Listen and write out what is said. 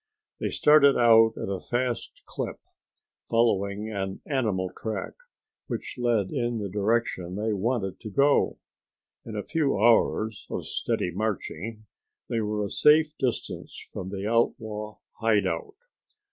They started out at a fast clip, following an animal track which led in the direction they wanted to go. In a few hours of steady marching they were a safe distance from the outlaw hideout.